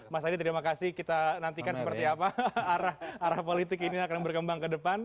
mas adi terima kasih kita nantikan seperti apa arah politik ini akan berkembang ke depan